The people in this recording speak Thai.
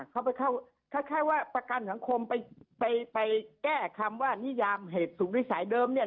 เขาไปเข้าคล้ายว่าประกันสังคมไปไปแก้คำว่านิยามเหตุสุขนิสัยเดิมเนี่ย